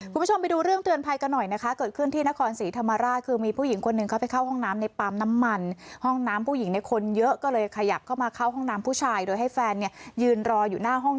คุณผู้ชมไปดูเรื่องเตือนภัยกันหน่อย